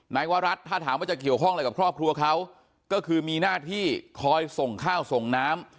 นายวรัฐถ้าถามว่าจะเกี่ยวข้องอะไรกับครอบครัวเขาก็คือมีหน้าที่คอยส่งข้าวส่งน้ำ